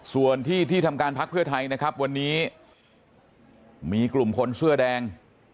ส่วนที่ที่ทำการพักเพื่อไทยนะครับวันนี้มีกลุ่มคนเสื้อแดง